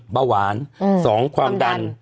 ๑เบาหวาน